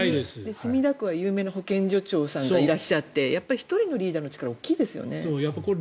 墨田区は有名な保健所長さんがいらっしゃってやっぱり１人のリーダーの力は大きいですよね。